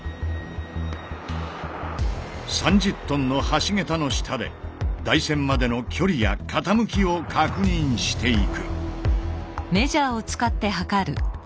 ３０ｔの橋桁の下で台船までの距離や傾きを確認していく。